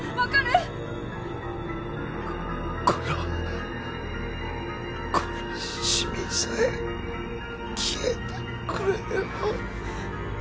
ここのこの染みさえ消えてくれれば。